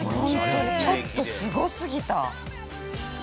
◆本当に、ちょっとすごすぎた。